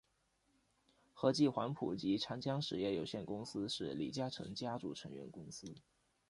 和记黄埔及长江实业有限公司是李嘉诚家族成员公司。